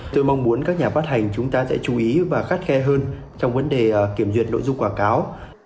tôi mong muốn các nhà phát hành chúng ta sẽ chú ý và khắt khe hơn trong vấn đề kiểm duyệt nội dung quảng cáo